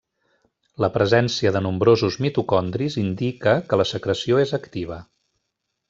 La presència de nombrosos mitocondris indica que la secreció és activa.